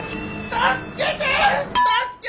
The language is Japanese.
助けて！